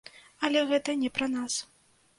Але гэта не пра нас.